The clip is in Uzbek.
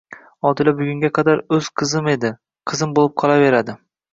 Odila bugunga qadar o'z qizim edi, qizim bo'lib qolaveradi.